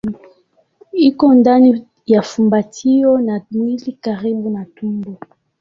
Iko ndani ya fumbatio ya mwili karibu na tumbo.